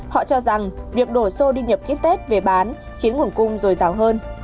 họ cho rằng việc đổ xô đi nhập kit test về bán khiến nguồn cung dồi dào hơn